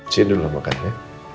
sini dulu makan ya